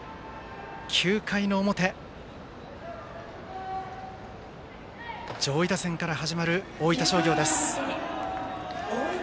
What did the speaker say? ９回の表、上位打線から始まる大分商業です。